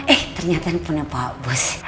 eh ternyata teleponnya pak bos